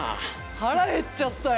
腹減っちゃったよ。